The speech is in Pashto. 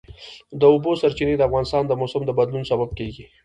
د اوبو سرچینې د افغانستان د موسم د بدلون سبب کېږي.